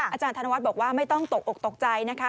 อาจารย์ธนวัฒน์บอกว่าไม่ต้องตกอกตกใจนะคะ